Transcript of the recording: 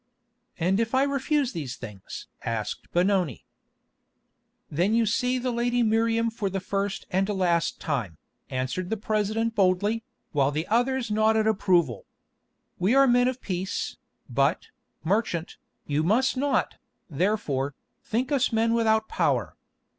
"And if I refuse these things?" asked Benoni. "Then you see the lady Miriam for the first and last time," answered the President boldly, while the others nodded approval. "We are men of peace, but, merchant, you must not, therefore, think us men without power.